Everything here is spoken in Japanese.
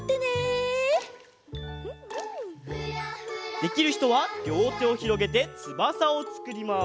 できるひとはりょうてをひろげてつばさをつくります。